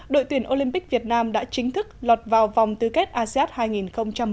đội tuyển olympic việt nam đã chính thức lọt vào vòng tư kết asean hai nghìn một mươi chín